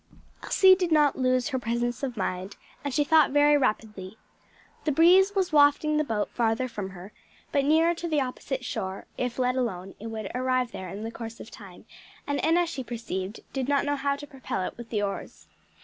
Elsie did not lose her presence of mind, and she thought very rapidly. The breeze was wafting the boat farther from her, but nearer to the opposite shore; if let alone it would arrive there in the course of time, and Enna she perceived did not know how to propel it with the oars.